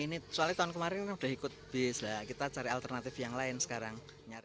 ini soalnya tahun kemarin udah ikut bis lah kita cari alternatif yang lain sekarang